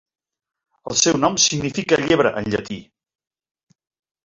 El seu nom significa llebre en llatí.